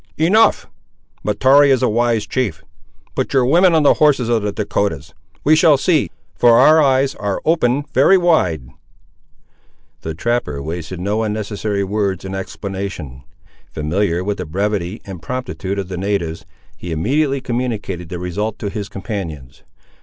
"Enough! Mahtoree is a wise chief. Put your women on the horses of the Dahcotahs: we shall see, for our eyes are open very wide." The trapper wasted no unnecessary words in explanation. Familiar with the brevity and promptitude of the natives, he immediately communicated the result to his companions.